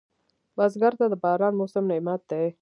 بزګر ته د باران موسم نعمت دی